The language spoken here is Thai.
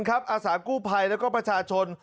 อาสากู้ภัยแล้วก็ประชาชน